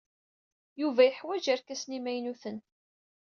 Yuba yeḥwaj irkasen imaynuten.